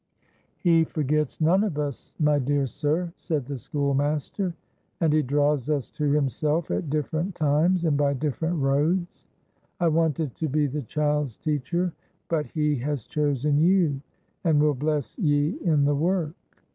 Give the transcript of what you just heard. "He forgets none of us, my dear sir," said the schoolmaster, "and He draws us to Himself at different times, and by different roads. I wanted to be the child's teacher, but He has chosen you, and will bless ye in the work."